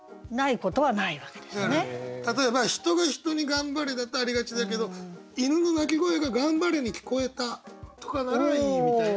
だから例えば人が人に「頑張れ」だとありがちだけど「犬の鳴き声が『頑張れ』に聞こえた」とかならいいみたいなことですか？